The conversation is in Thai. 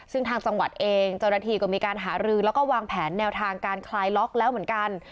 ซึ่งทางจังหวัดเองเจ้าหน้าที่ก็มีการหารือแล้วก็วางแผนแนวทางการคลายล็อกแล้วเหมือนกัน